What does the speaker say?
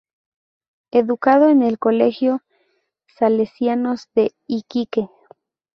Educado en el Colegio Salesianos de Iquique.